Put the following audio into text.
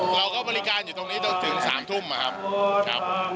เราก็บริการอยู่ตรงนี้จนถึง๓ทุ่มนะครับ